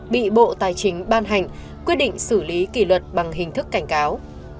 bị bộ tài chính ban hành quyết định xử lý kỷ luật bằng hình thức cảnh cáo